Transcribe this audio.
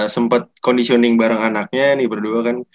sempat conditioning bareng anaknya nih berdua kan